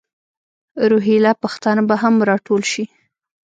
روهیله پښتانه به هم را ټول شي.